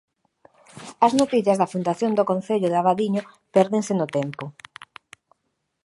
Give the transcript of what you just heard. As noticias da fundación do concello de Abadiño pérdense no tempo.